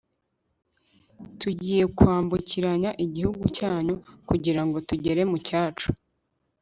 tugiye kwambukiranya igihugu cyanyu kugira ngo tugere mu cyacu